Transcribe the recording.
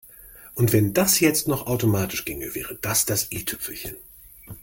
Und wenn das jetzt noch automatisch ginge, wäre das das i-Tüpfelchen.